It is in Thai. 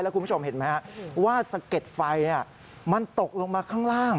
คุณผู้ชมเห็นไหมว่าสะเก็ดไฟมันตกลงมาข้างล่าง